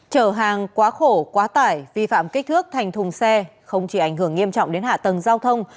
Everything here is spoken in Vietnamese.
chở hàng quá khổ quá tải vi phạm kích thước thành thùng xe không chỉ ảnh hưởng nghiêm trọng đến hạ tầng giao thông